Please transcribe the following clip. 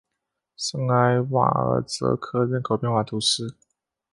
圣埃瓦尔泽克人口变化图示